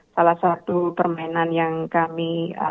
salah satu permainan yang kami